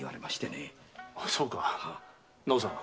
そうか直さん